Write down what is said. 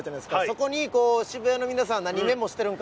そこに渋谷の皆さんは何メモしてるんかな？